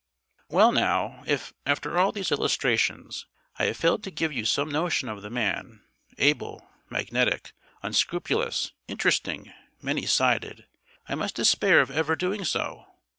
Well, now, if, after all these illustrations, I have failed to give you some notion of the man, able, magnetic, unscrupulous, interesting, many sided, I must despair of ever doing so.